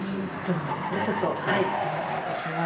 じゃあちょっとお願いいたします。